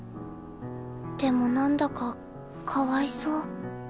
でも何だかかわいそう。